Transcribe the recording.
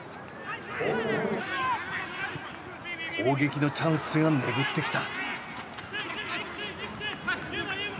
攻撃のチャンスが巡ってきた。